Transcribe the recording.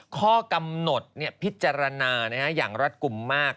ข้อกำหนดพิจารณาอย่างรัดกลุ่มมาก